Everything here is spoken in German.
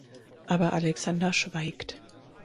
Aber Alexander schweigt.